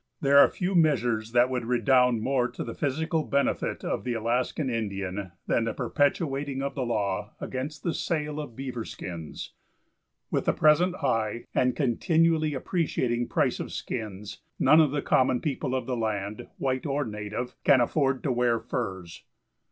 There are few measures that would redound more to the physical benefit of the Alaskan Indian than the perpetuating of the law against the sale of beaver skins. With the present high and continually appreciating price of skins, none of the common people of the land, white or native, can afford to wear furs.